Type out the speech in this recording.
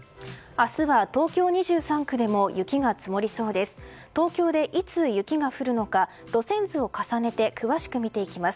明日は東京２３区でも雪が積もりそうです。